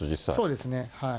そうですね。